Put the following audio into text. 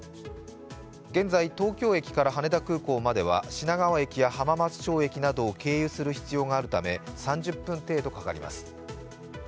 現在東京駅から羽田空港までは品川駅や浜松町駅を経由する必要があるため、３０分程度かかります。